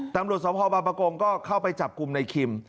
ตำรวจสมภาพบางประกงก็เข้าไปจับกลุ่มในคิม